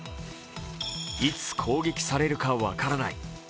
いつ攻撃されるか分からない。